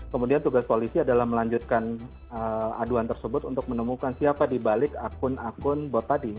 kemudian tugas polisi adalah melanjutkan aduan tersebut untuk menemukan siapa dibalik akun akun bot tadi